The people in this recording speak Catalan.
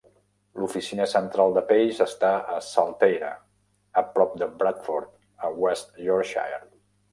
L'oficina central de Pace està a Saltaire, a prop de Bradford, a West Yorkshire.